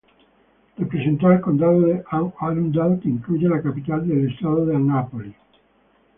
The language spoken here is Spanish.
Representó al condado de Anne Arundel, que incluye la capital del estado de Annapolis.